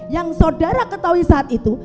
yang saudara ketahui saat itu